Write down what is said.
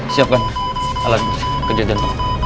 siapkan alat kejadian